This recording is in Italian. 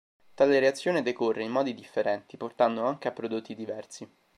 Tale reazione decorre in modi differenti, portando anche a prodotti diversi.